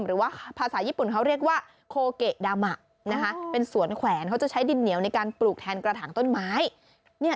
หรือว่าภาษาญี่ปุ่นเขาเรียกว่าโคเกะดามะเป็นสวนแขวนเขาจะใช้ดินเหนียวในการปลูกแทนกระถางต้นไม้